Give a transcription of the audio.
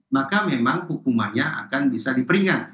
maka memang hukumannya akan bisa diperingat